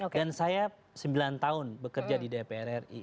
saya sembilan tahun bekerja di dpr ri